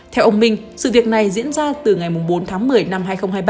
theo ông minh sự việc này diễn ra từ ngày bốn tháng một mươi năm hai nghìn hai mươi ba